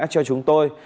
cho chúng tôi